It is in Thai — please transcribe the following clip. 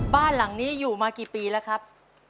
บ้านหลังนี้อยู่มากี่ปีแล้วครับ